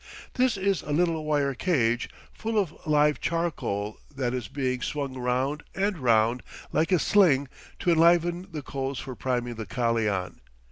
This is a. little wire cage, full of live charcoal, that is being swung round and round like a sling to enliven the coals for priming the kalian.